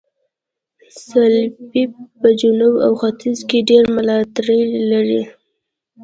سلپيپ په جنوب او ختیځ کې ډېر ملاتړي لرل.